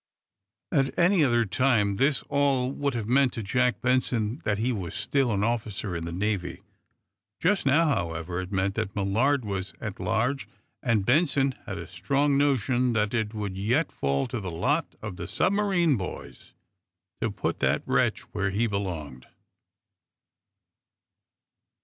At any other time this all would have meant to Jack Benson that he was still an officer in the Navy. Just now, however, it meant that Millard was at large, and Benson had a strong notion that it would yet fall to the lot of the submarine boys to put that wretch where he belonged.